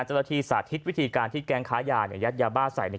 สาธิตวิธีการที่แก๊งค้ายาเนี่ยยัดยาบ้าใส่ใน